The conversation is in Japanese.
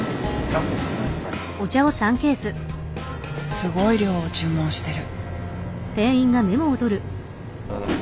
すごい量を注文してる。